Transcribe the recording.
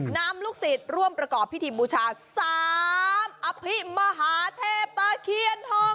นำลูกศิษย์ร่วมประกอบพิธีบูชา๓อภิมหาเทพตะเคียนทอง